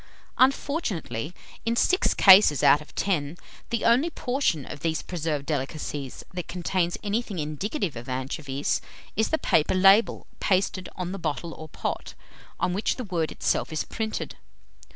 Unfortunately, in six cases out of ten, the only portion of these preserved delicacies, that contains anything indicative of anchovies, is the paper label pasted on the bottle or pot, on which the word itself is printed....